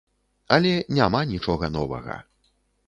Але няма нічога новага.